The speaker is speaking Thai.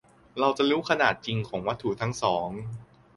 - เราจะรู้ขนาดจริงของวัตถุทั้งสอง